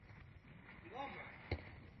mpaka mwaka elfu moja mia tisa sabini na tisa